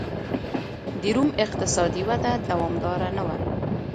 د روم اقتصادي وده دوامداره نه وه.